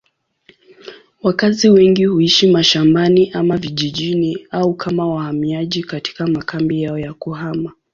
Wakazi wengi huishi mashambani ama vijijini au kama wahamiaji katika makambi yao ya kuhama.